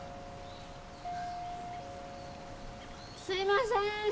すいません！